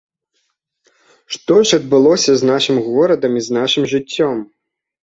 Што ж адбылося з нашым горадам і з нашым жыццём?